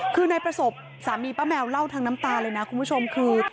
คือนายประสบสามีป้าแมวเล่าทั้งน้ำตาเลยนะคุณผู้ชมคือ